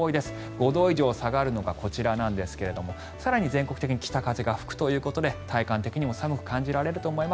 ５度以上下がるのがこちらなんですが更に全国的に北風が吹くということで体感的にも寒く感じられると思います。